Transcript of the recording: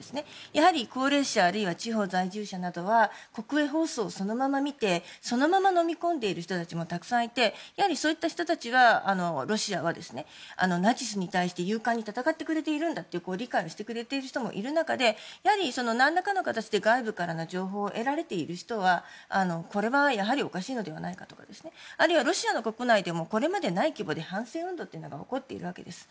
やはり、高齢者あるいは地方在住者などは国営放送をそのまま見てそのままのみ込んでいる人たちもたくさんいてそういった人たちはロシアはナチスに対して勇敢に戦ってくれているんだという理解をしてくれている人もいるな私かでやはり、何らかの形で外部からの情報を得られている人はこれは、やはりおかしいのではないかとかあるいは、ロシアの国内でもこれまでにない規模で反戦運動が起こっているわけです。